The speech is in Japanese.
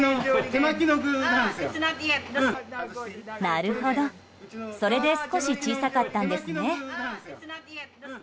なるほど、それで少し小さかったんですね。